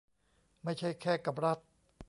ไม่ใช่แค่กับรัฐ